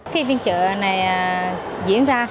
khi phiên trợ này diễn ra